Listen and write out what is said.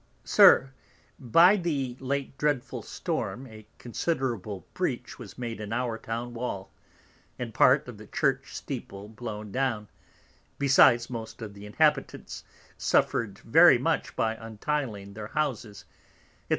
SIR, By the late Dreadful Storm a considerable Breach was made in our Town Wall, and Part of the Church Steeple blown down; besides most of the Inhabitants suffered very much by untiling their Houses, _&c.